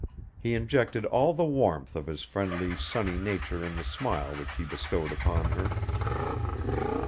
He injected all the warmth of his friendly, sunny nature in the smile which he bestowed upon her.